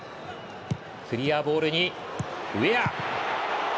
クリアボールにウェア！